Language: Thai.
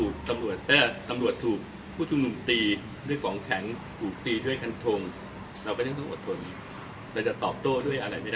ก็จะทำให้มันไม่มีงานที่จริงถูกตอบโต้ภาพด้วยแล้ว